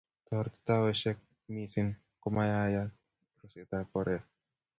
toreti taoshek mising komayayak rusetab oret